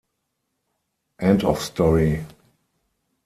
End of story“.